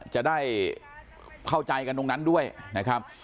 จะได้เข้าใจกันตรงนั้นด้วยนะครับ